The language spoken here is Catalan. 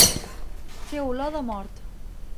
Fer olor de mort.